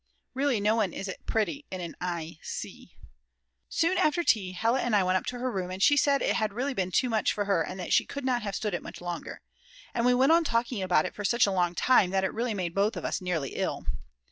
Really no one is pretty in an i c . Soon after tea Hella and I went up to her room, and she said it had really been too much for her and that she could not have stood it much longer. And we went on talking about it for such a long time, that it really made both of us nearly ill.